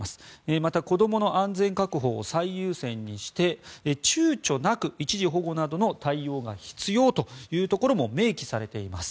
また、子どもの安全確保を最優先にして躊躇なく一時保護などの対応が必要というところも明記されています。